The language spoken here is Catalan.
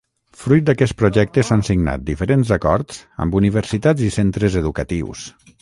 Fruit d'aquest projecte s'han signat diferents acords amb universitats i centres educatius.